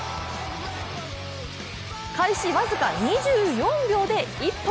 開始僅か２４秒で一本。